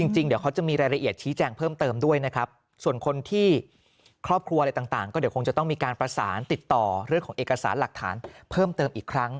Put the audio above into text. จริงเดี๋ยวเขาจะมีรายละเอียดชี้แจงเพิ่มเติมด้วยนะครับส่วนคนที่ครอบครัวอะไรต่างก็เดี๋ยวคงจะต้องมีการประสานติดต่อเรื่องของเอกสารหลักฐานเพิ่มเติมอีกครั้ง